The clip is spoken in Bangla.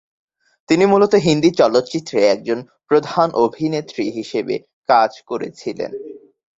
তিনি মুলত হিন্দি চলচ্চিত্রে একজন প্রধান অভিনেত্রী হিসাবে কাজ করেছিলেন।